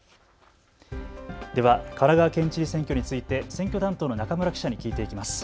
では神奈川県知事選挙について選挙担当の中村記者に聞いていきます。